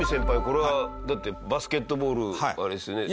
これはだってバスケットボールあれですよね？